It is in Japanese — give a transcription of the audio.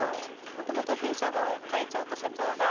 もともと弊社の会長と社長が？